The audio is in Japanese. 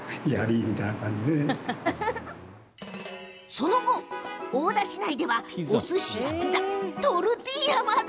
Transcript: その後、大田市内ではおすしやピザ、トルティーヤまで。